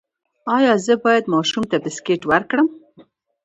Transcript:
ایا زه باید ماشوم ته بسکټ ورکړم؟